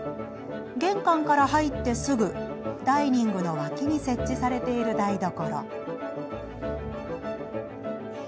玄関から入ってすぐダイニングの脇に設置されている台所。